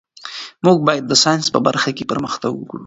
موږ باید د ساینس په برخه کې پرمختګ وکړو.